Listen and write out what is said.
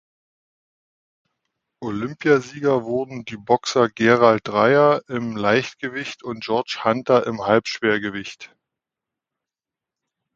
Olympiasieger wurden die Boxer Gerald Dreyer im Leichtgewicht und George Hunter im Halbschwergewicht.